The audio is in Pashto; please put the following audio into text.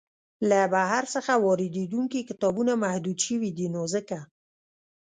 له بهر څخه واریدیدونکي کتابونه محدود شوي دی نو ځکه.